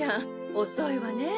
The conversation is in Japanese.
おそいわねえ。